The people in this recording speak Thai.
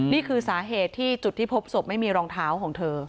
นี่คือสาเหตุที่จุดที่พบศพไม่มีรองเท้าของเธอ